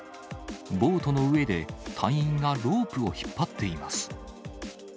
ボートの上で、隊員がロープを引っ張っています。